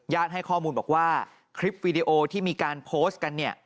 ให้ข้อมูลบอกว่าคลิปวีดีโอที่มีการโพสต์กันเนี่ย